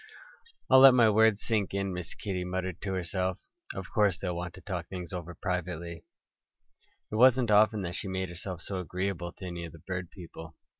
"I'll let my words sink in," Miss Kitty muttered to herself. "Of course they'll want to talk things over privately." It wasn't often that she made herself so agreeable to any of the bird people.